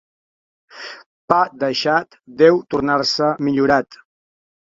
Pa deixat deu tornar-se millorat.